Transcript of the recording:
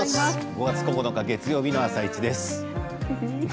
５月９日月曜日の「あさイチ」です。